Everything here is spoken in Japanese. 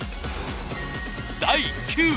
第９位。